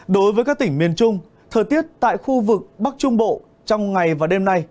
đối với các tỉnh miền trung thời tiết tại khu vực bắc trung bộ trong ngày và đêm nay